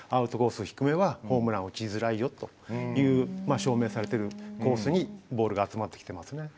低めはホームランを打ちづらいよという証明されてるコースにボールが集まってきてますね。